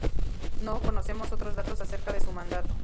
No conocemos otros datos acerca de su mandato.